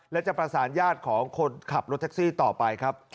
และจะประสานญาติของคนขับรถแท็กซี่ต่อไปครับ